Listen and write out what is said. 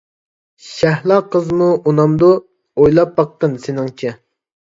شەھلا قىزمۇ ئۇنامدۇ؟ ئويلاپ باققىن سېنىڭچە.